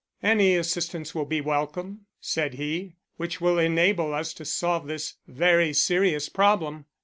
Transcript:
"Any assistance will be welcome," said he, "which will enable us to solve this very serious problem."